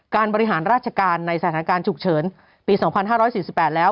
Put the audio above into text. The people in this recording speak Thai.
บริหารราชการในสถานการณ์ฉุกเฉินปี๒๕๔๘แล้ว